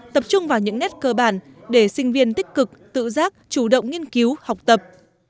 tập trung vào những nét cơ bản để sinh viên tích cực tự giác chủ động nghiên cứu học tập